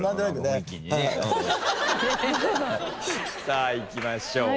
さあいきましょう。